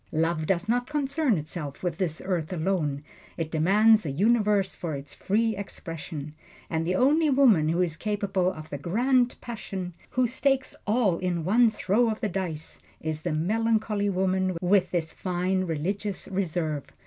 Love does not concern itself with this earth alone it demands a universe for its free expression. And the only woman who is capable of the Grand Passion who stakes all on one throw of the dice is the melancholy woman, with this fine, religious reserve.